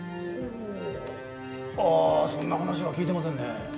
ああそんな話は聞いてませんね。